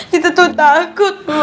kita tuh takut